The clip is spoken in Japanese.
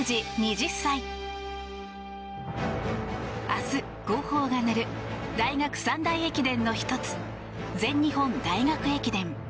明日、号砲が鳴る大学三大駅伝の１つ全日本大学駅伝。